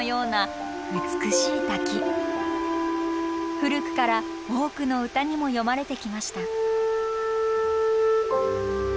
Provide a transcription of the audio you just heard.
古くから多くの歌にも詠まれてきました。